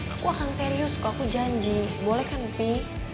aku akan serius kok aku janji boleh kan up